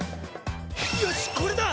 よしこれだ！